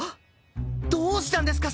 どうしたんですか！？